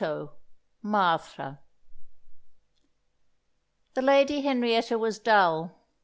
MARTHA The Lady Henrietta was dull.